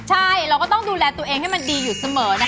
ใช่เราก็ต้องดูแลตัวเองให้มันดีอยู่เสมอนะ